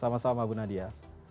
sama sama bu nadia